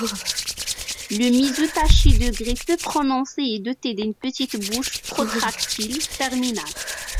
Le museau, taché de gris, peu prononcé est doté d'une petite bouche protractile terminale.